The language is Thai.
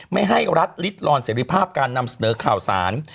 ไม่ให้รัฐลิดลอนเสรีภาพการนำเสนอข่าวสาร